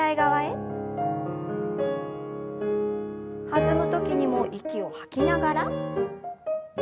弾む時にも息を吐きながら。